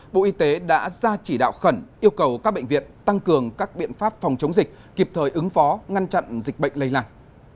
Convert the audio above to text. bộ y tế đã ra chỉ đạo khẩn yêu cầu các bệnh viện tăng cường các biện pháp phòng chống dịch kịp thời ứng phó ngăn chặn dịch bệnh lây làng